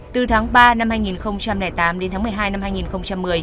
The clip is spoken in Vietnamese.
từ tháng ba năm hai nghìn tám đến tháng một mươi hai năm hai nghìn một mươi